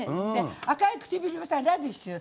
赤い唇はラディッシュ。